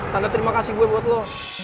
tanda terima kasih gue buat lo